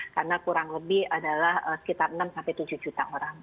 karena kurang lebih adalah sekitar enam tujuh juta orang